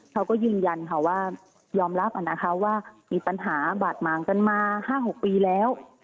เขาก็ยืนยันค่ะว่ายอมรับนะคะว่ามีปัญหาบาดหมางกันมา๕๖ปีแล้ว